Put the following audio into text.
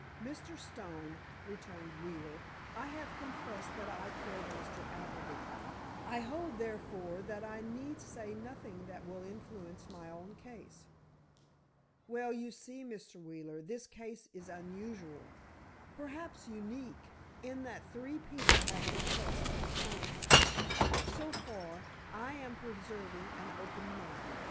"Mr. Stone," returned Wheeler, "I have confessed that I killed Mr. Appleby; I hold, therefore, that I need say nothing that will influence my own case." "Well, you see, Mr. Wheeler, this case is unusual—perhaps unique, in that three people have confessed to the crime. So far, I am preserving an open mind.